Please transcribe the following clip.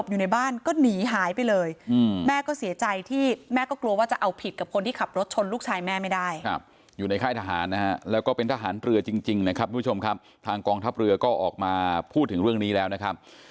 อยู่ในค่ายทหารแล้วก็เป็นทหารเรือจริงนะครับท่านกองทัพเรือก็ออกมาพูดถึงเรื่องนี้แล้วนะครับ